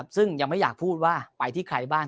ซึ่งยังไม่อยากพูดว่าไปที่ใครบ้าง